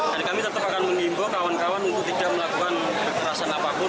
dan kami tetap akan mengimbau kawan kawan untuk tidak melakukan perkerasan apapun